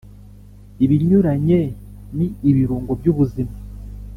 ibinyuranye ni ibirungo byubuzima